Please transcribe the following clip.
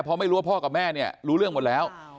เพราะไม่รู้ว่าพ่อกับแม่เนี่ยรู้เรื่องหมดแล้ว